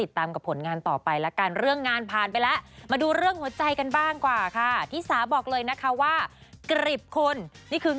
ได้กล้าที่จะพูดคุยกับผู้ใหญ่มากขึ้น